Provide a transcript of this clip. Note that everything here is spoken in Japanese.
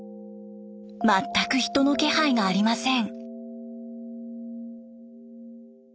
全く人の気配がありません。